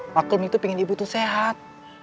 maklum itu pengen ibu tuh sehat